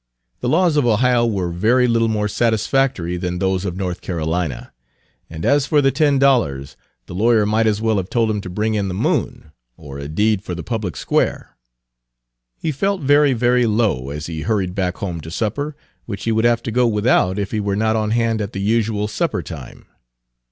The laws of Ohio were very little more satisfactory than those of North Carolina. And as for the ten dollars, the lawyer might as well have told him to bring in the moon, or a deed for the Public Square. He felt very, very low as he hurried back home to supper, which he would have to go without if he were not on hand at the usual supper time.